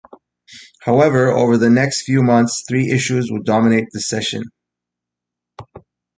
However over the next few months three issues would dominate the session.